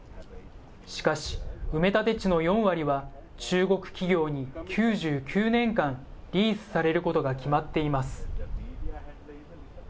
しかし、埋め立て地の４割は、中国企業に９９年間リースされることが決まっています。